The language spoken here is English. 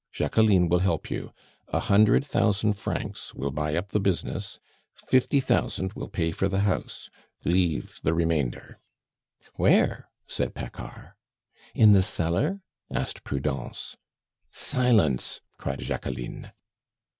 Jacqueline will help you. A hundred thousand francs will buy up the business, fifty thousand will pay for the house; leave the remainder." "Where?" said Paccard. "In the cellar?" asked Prudence. "Silence!" cried Jacqueline.